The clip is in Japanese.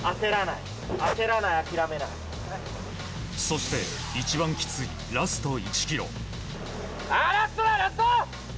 そして、一番きついラスト１ｋｍ。